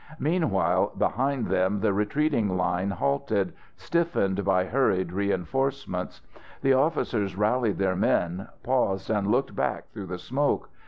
Meanwhile, behind them the retreating line halted, stiffened by hurried reinforcements. The officers rallied their men, paused and looked back through the smoke.